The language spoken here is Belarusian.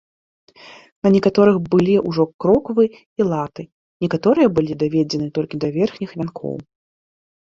На некаторых былі ўжо кроквы і латы, некаторыя былі даведзены толькі да верхніх вянкоў.